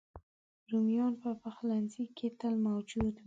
رومیان په پخلنځي کې تل موجود وي